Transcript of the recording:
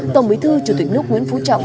tổng bí thư chủ tịch nước nguyễn phú trọng